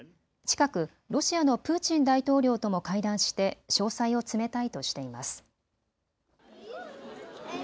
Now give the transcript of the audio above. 近くロシアのプーチン大統領とも会談して詳細を詰めたいとしています。